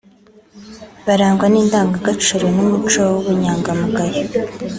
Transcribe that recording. barangwa n’indangagaciro n’umuco w’ubunyangamugayo